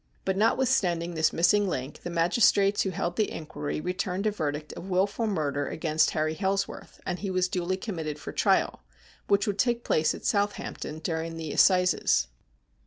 But, notwithstanding this missing link, the magistrates who held the inquiry returned a verdict of wilful murder against Harry Hailsworth, and he was duly committed for trial, which would take place at Southampton during the Assizes.